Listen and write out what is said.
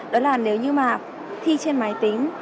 đó là nếu như mà thi trên máy tính